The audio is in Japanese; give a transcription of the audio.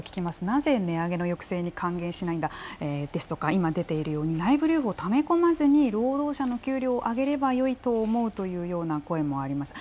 なぜ値上げの抑制に還元しないんだですとか今出ているように内部留保をため込まずに労働者の給料を上げればよいと思うというような声もあります。